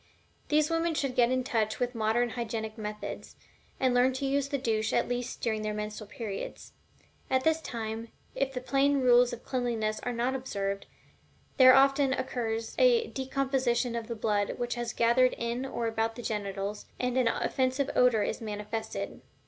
These women should get in touch with modern hygienic methods, and learn to use the douche at least during their menstrual periods. At this time, if the plain rules of cleanliness are not observed, there often occurs a decomposition of the blood which has gathered in or about the genitals, and an offensive odor is manifested.